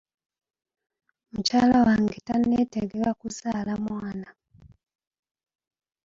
Mukyala wange tanneetegeka kuzaala mwana.